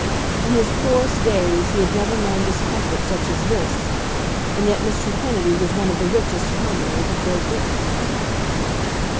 In his poorest days he had never known discomfort such as this, and yet Mr. Kennedy was one of the richest commoners of Great Britain.